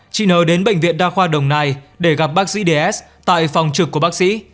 chị n đến bệnh viện đa khoa đồng nai để gặp bác sĩ ds tại phòng trực của bác sĩ